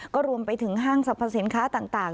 ก็รวมไปถึงห้างสรรพสินค้าต่าง